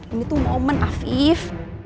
ini tuh momen aviv